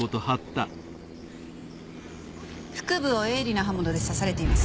腹部を鋭利な刃物で刺されています。